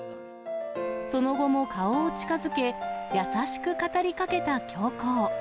その後も顔を近づけ、優しく語りかけた教皇。